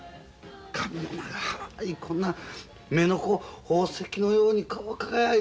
髪の長いこんな目が宝石のように輝いた森の精や。